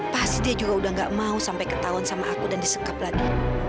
pasti dia juga udah gak mau sampai ketahuan sama aku dan disekap lagi